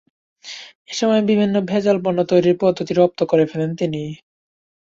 এ সময় বিভিন্ন ভেজাল পণ্য তৈরির পদ্ধতি রপ্ত করে ফেলেন তিনি।